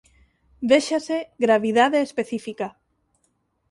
Véxase gravidade específica.